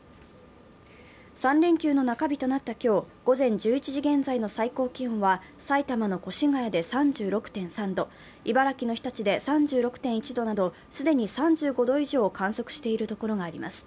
３連休の中日となった今日、午前１１時現在の最高気温は埼玉の越谷で３６．３度茨城の日立で３６．１度など、既に３５度以上を観測しているところがあります。